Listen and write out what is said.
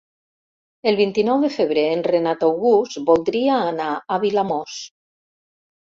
El vint-i-nou de febrer en Renat August voldria anar a Vilamòs.